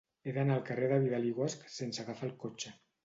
He d'anar al carrer de Vidal i Guasch sense agafar el cotxe.